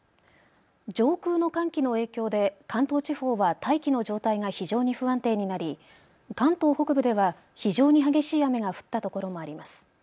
上空の寒気の影響で関東地方は大気の状態が非常に不安定になり関東北部では非常に激しい雨が降ったところもあります。